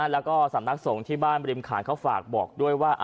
แล้วก็สำนักสงฆ์ที่บ้านบริมขานเขาฝากบอกด้วยว่า